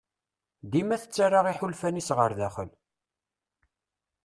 Dima tettarra iḥulfan-is ɣer daxel.